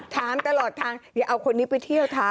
ถามตลอดทางอย่าเอาคนนี้ไปเที่ยวถาม